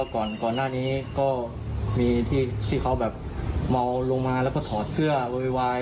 ก่อนหน้านี้ก็มีที่เขาแบบเมาลงมาแล้วก็ถอดเสื้อโวยวาย